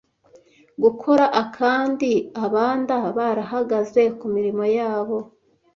gukora akandi abanda barahagaze ku mirimo yabo